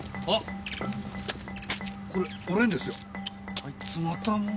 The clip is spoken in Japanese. あいつまたもう。